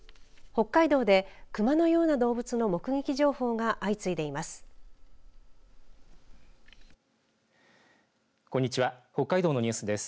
北海道でクマのような動物の目撃情報が相次いでいます。